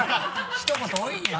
ひと言多いよ。